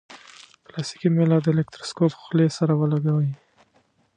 پلاستیکي میله د الکتروسکوپ خولې سره ولګوئ.